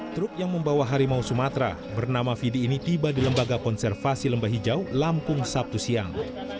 truk yang membawa harimau sumatera bernama fidi ini tiba di lembaga konservasi lembah hijau lampung sabtu siang